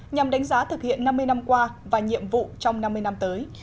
nhằm đánh giá thực hiện năm mươi năm qua và nhiệm vụ trong năm mươi năm tới